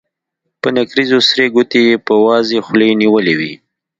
په نکريزو سرې ګوتې يې په وازې خولې نيولې وې.